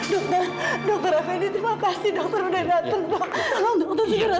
dokter dokter afedit makasih dokter udah datang pak